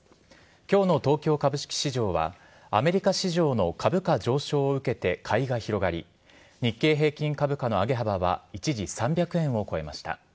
今日の東京株式市場はアメリカ市場の株価上昇を受けて買いが広がり日経平均株価の上げ幅は一時３００円を超えました。